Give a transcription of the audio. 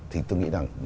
thì tôi nghĩ rằng